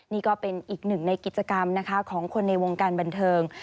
นี่ก็เป็นอีกหนึ่งในกิจกรรมนะคะของคนในวงการบันเทิง